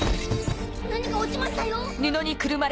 何か落ちましたよ。